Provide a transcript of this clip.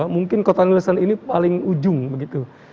mungkin kota nielsen ini paling ujung begitu